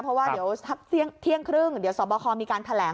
เพราะว่าเดี๋ยวสักเที่ยงครึ่งเดี๋ยวสอบคอมีการแถลง